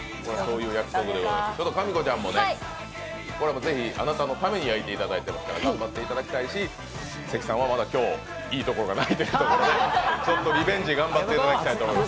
かみこちゃんもね、これはもうぜひあなたのために焼いていただいてますから関さんはまだ今日、いいところがないというところで、ちょっとリベンジ頑張っていただきたいと思います。